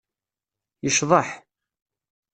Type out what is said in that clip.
Yecḍeḥ.